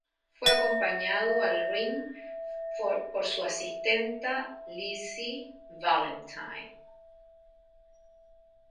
Fue acompañado al ring por su asistenta Lizzy Valentine.